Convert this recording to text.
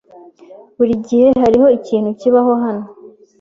Burigihe hariho ikintu kibaho hano.